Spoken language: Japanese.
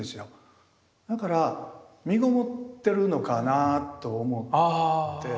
だから身ごもってるのかなぁと思って。